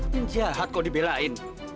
penjahat kok dibelain